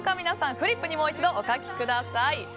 皆さん、フリップにもう一度お書きください。